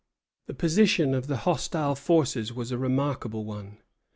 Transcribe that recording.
The position of the hostile forces was a remarkable one.